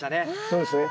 そうですね。